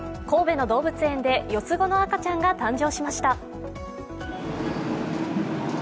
神戸の動物園で四つ子の赤ちゃんが誕生しました。